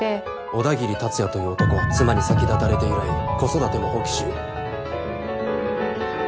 小田切達也という男は妻に先立たれて以来子育ても放棄し